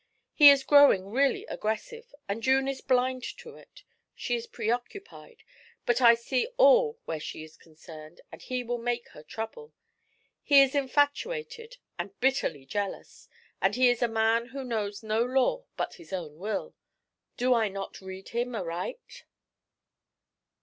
He is growing really aggressive, and June is blind to it; she is preoccupied. But I see all where she is concerned, and he will make her trouble. He is infatuated and bitterly jealous, and he is a man who knows no law but his own will. Do I not read him aright?'